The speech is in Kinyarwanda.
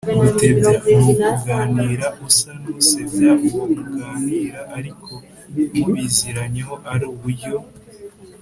gutebya: ni ukuganira usa n’usebya uwo muganira ariko mubiziranyeho ari uburyo